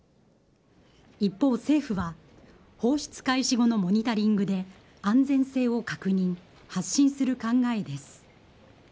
一方、政府は放出開始後のモニタリングで安全性を確認、発信する考えです。